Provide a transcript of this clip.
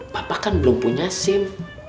bapak kan belum punya sim